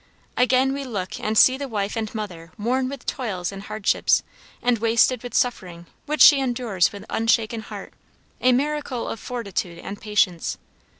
Again we look and see the wife and mother worn with toils and hardships, and wasted with suffering which she endures with unshaken heart a miracle of fortitude and patience.